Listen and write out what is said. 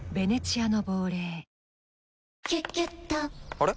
あれ？